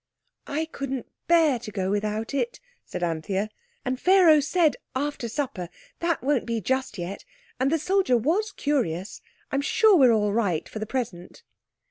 "I couldn't bear to go without it," said Anthea, "and Pharaoh said 'After supper', that won't be just yet. And the soldier was curious. I'm sure we're all right for the present."